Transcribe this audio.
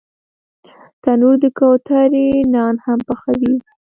تنور د کوترې نان هم پخوي